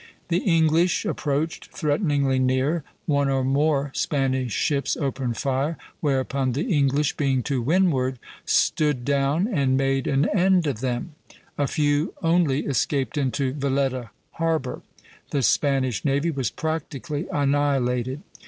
The English approached threateningly near, one or more Spanish ships opened fire, whereupon the English, being to windward, stood down and made an end of them; a few only escaped into Valetta harbor. The Spanish navy was practically annihilated.